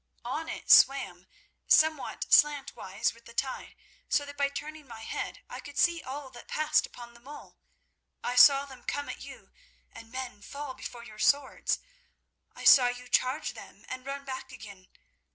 On it swam, somewhat slantwise with the tide, so that by turning my head I could see all that passed upon the mole. I saw them come at you, and men fall before your swords; I saw you charge them, and run back again.